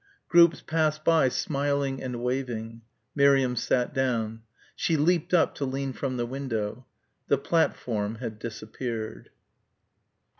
Groups passed by smiling and waving. Miriam sat down. She leaped up to lean from the window. The platform had disappeared.